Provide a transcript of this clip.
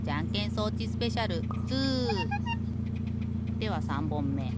では３ぼんめ。